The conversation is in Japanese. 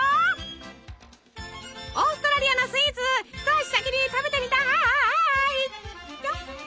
オーストラリアのスイーツ一足先に食べてみたい！